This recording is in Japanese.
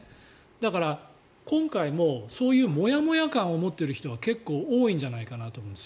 だから、今回もそういうもやもや感を持っている人が結構多いんじゃないかなと。